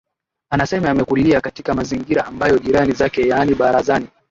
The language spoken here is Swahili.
anasema amekulia katika mazingira ambayo jirani zake yaani barazani